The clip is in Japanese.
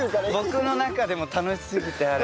僕の中でもう楽しすぎてあれは。